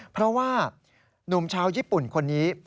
เพราะว่านุ่มชาวญี่ปุ่นคนนี้